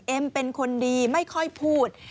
เป็นคนดีไม่ค่อยพูด